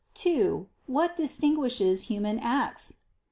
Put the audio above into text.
(2) What distinguishes human acts?